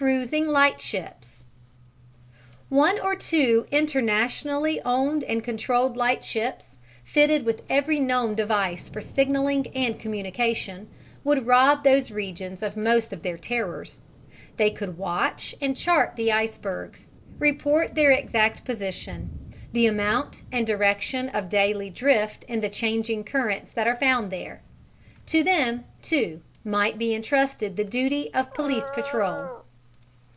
Cruising lightships One or two internationally owned and controlled lightships, fitted with every known device for signalling and communication, would rob those regions of most of their terrors. They could watch and chart the icebergs, report their exact position, the amount and direction of daily drift in the changing currents that are found there. To them, too, might be entrusted the duty of police patrol.